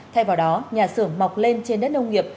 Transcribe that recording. thay vào đó nhà xưởng mọc lên trên đất nông nghiệp